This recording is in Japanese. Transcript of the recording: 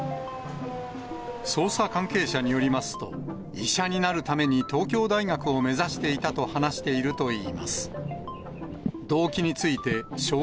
捜査関係者によりますと、医者になるために東京大学を目指していたと話しているといいます。